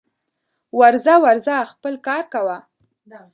ورځه ورځه خپل کار کوه